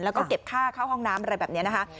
แล้วก็เก็บค่าเข้าห้องน้ำอะไรแบบนี้นะคะ